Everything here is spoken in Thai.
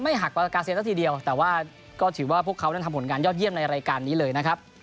หักประกาเซียซะทีเดียวแต่ว่าก็ถือว่าพวกเขานั้นทำผลงานยอดเยี่ยมในรายการนี้เลยนะครับ